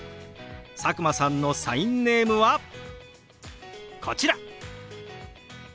佐久間さんのサインネームはこちら！